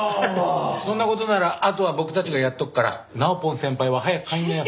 そんな事ならあとは僕たちがやっとくからなおぽん先輩は早く帰りなよ。